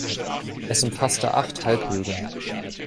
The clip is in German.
Es umfasste acht Halbbögen.